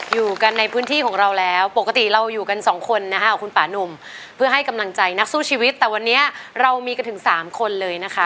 อยู่กันในพื้นที่ของเราแล้วปกติเราอยู่กันสองคนนะคะของคุณป่านุ่มเพื่อให้กำลังใจนักสู้ชีวิตแต่วันนี้เรามีกันถึงสามคนเลยนะคะ